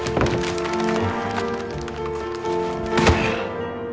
ああ！